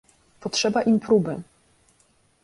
"Potrzeba im próby."